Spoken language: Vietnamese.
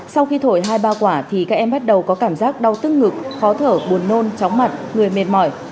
sau khi thổi hai ba quả thì các em bắt đầu có cảm giác đau tức ngực khó thở buồn nôn chóng mặt người mệt mỏi